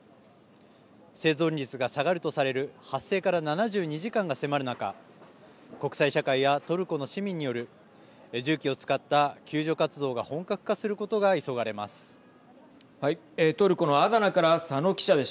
生存率が下がるとされる発生から７２時間が迫る中国際社会やトルコの市民による重機を使った救助活動が本格化することが急がれます。